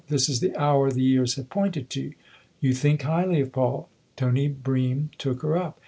This is the hour the years have pointed to. You think highly of Paul " Tony Bream took her up.